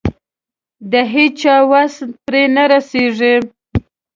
د هيچا وس پرې نه رسېږي.